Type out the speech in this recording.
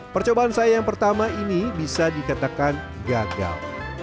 percobaan saya yang pertama ini bisa dikatakan gagal